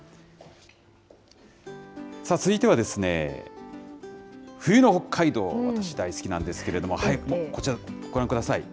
続いては冬の北海道、私、大好きなんですけれども、早くも、こちら、ご覧ください。